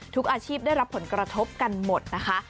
อาชีพได้รับผลกระทบกันหมดนะคะ